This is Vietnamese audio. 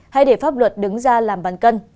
hay để pháp luật đứng ra làm bàn cân